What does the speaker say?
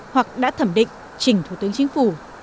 hoặc đã thẩm định chỉnh thủ tướng chính phủ